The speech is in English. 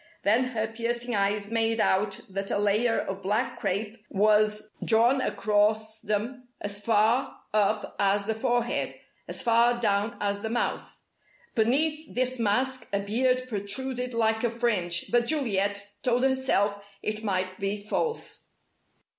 Then her piercing eyes made out that a layer of black crape was drawn across them as far up as the forehead, as far down as the mouth. Beneath this mask a beard protruded like a fringe, but Juliet told herself it might be false.